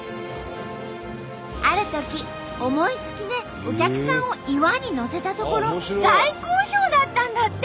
あるとき思いつきでお客さんを岩にのせたところ大好評だったんだって！